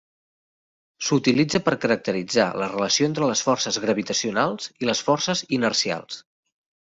S'utilitza per caracteritzar la relació entre les forces gravitacionals i les forces inercials.